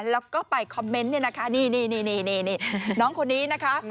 แล้วก็ไปคอมเมนส์นี่น้องคนนี้